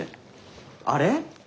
あれ？